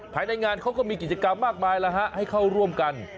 ภายในงานเขาก็มีกิจกรรมมากมายแล้วฮะให้เข้าร่วมกัน